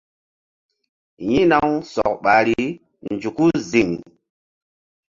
Yi̧hna-u sɔk ɓahri nzuku ziŋ.